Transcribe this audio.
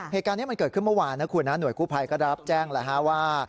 เหตุการณ์นี้มันเกิดขึ้นเมื่อวานนะคุณนะหน่วยกู้ภัยก็ได้รับแจ้งแล้วฮะว่า